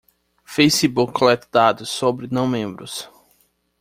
Facebook coleta dados sobre não membros.